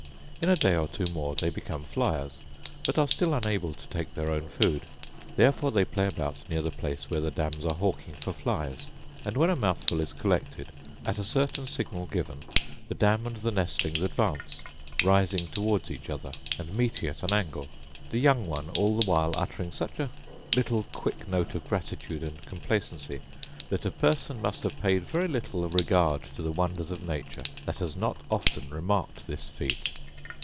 In a day or two more they become flyers, but are still unable to take their own food; therefore they play about near the place where the dams are hawking for flies; and when a mouthful is collected, at a certain signal given, the dam and the nestling advance, rising towards each other, and meeting at an angle; the young one all the while uttering such a little quick note of gratitude and complacency, that a person must have paid very little regard to the wonders of nature that has not often remarked this feat.